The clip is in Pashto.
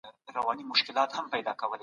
هغه پوهان چي څېړنه کوي، د ټولني درد پېژني.